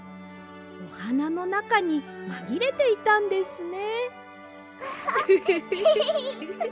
おはなのなかにまぎれていたんですね。